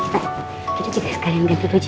pak kita juga sekalian ganti cuci